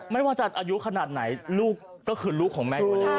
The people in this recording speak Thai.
ไม่ว่าจะอายุขนาดไหนลูกก็คือลูกของแม่อยู่แล้ว